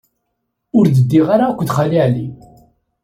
Ur d-ddiɣ ara akked Xali Ɛli.